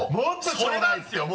それなんですよ！